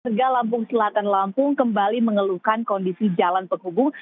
warga lampung selatan lampung kembali mengeluhkan kondisi jalan penghubung